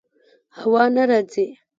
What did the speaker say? هوا نه راځي